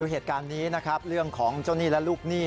เหตุการณ์นี้นะครับเรื่องของเจ้าหนี้และลูกหนี้